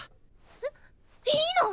えっ？いいの？